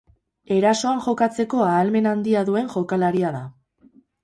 Erasoan jokatzeko ahalmen handia duen jokalaria da.